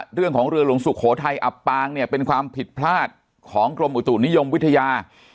เรื่องของเรือหลวงสุโขทัยอับปางเนี่ยเป็นความผิดพลาดของกรมอุตุนิยมวิทยา